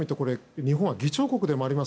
日本は議長国でもあります。